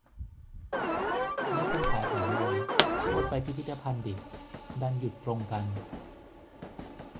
งี้คนขายแผงลอย ก็อดไปพิพิธภัณฑ์ดิ ดันหยุดตรงกัน